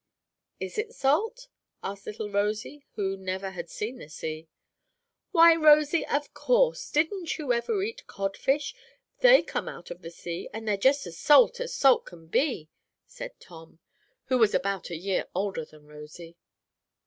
"Is it salt?" asked little Rosy, who never had seen the sea. "Why, Rosy, of course. Didn't you ever eat codfish? They come out of the sea, and they're just as salt as salt can be," said Tom, who was about a year older than Rosy.